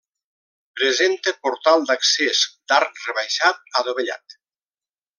Presenta portal d'accés d'arc rebaixat, adovellat.